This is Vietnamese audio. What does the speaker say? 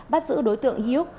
bắt giữ đối tượng iuk